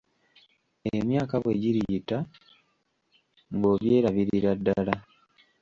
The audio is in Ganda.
Emyaka bwe giriyita, ng'obyerabirira ddala.